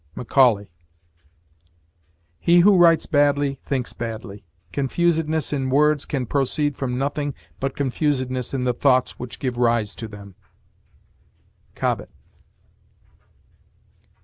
MACAULAY. He who writes badly thinks badly. Confusedness in words can proceed from nothing but confusedness in the thoughts which give rise to them. COBBETT.